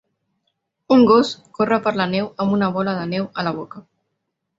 Un gos corre per la neu amb una bola de neu a la boca.